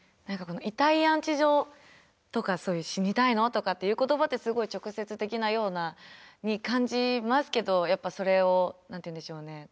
何かこの「遺体安置所」とかそういう「死にたいの？」とかっていう言葉ってすごい直接的なように感じますけどやっぱそれを何て言うんでしょうね